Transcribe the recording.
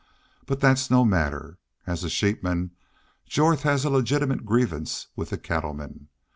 But that's no matter. As a sheepman Jorth has a legitimate grievance with the cattlemen.